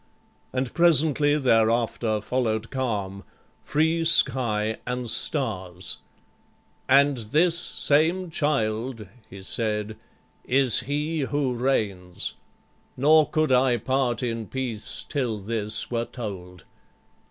And presently thereafter followed calm, Free sky and stars: 'And this same child,' he said, 'Is he who reigns: nor could I part in peace Till this were told.'